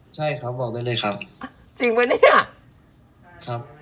ใช่ครับบอกได้เลยครับจริงไหมเนี่ยครับ